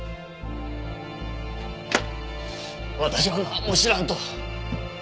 私はなんも知らんと。